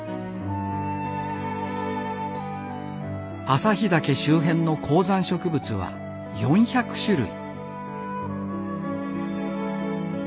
朝日岳周辺の高山植物は４００種類。